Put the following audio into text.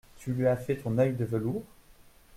Tu lui as fait ton œil de velours ?